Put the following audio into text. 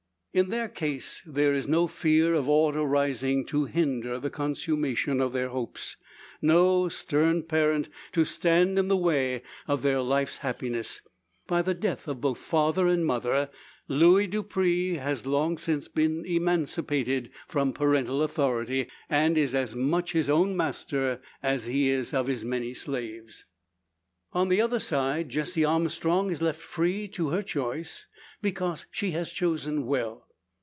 In their case, there is no fear of aught arising to hinder the consummation of their hopes; no stern parent to stand in the way of their life's happiness. By the death of both father and mother, Luis Dupre has long since been emancipated from parental authority, and is as much his own master as he is of his many slaves. On the other side, Jessie Armstrong is left free to her choice; because she has chosen well.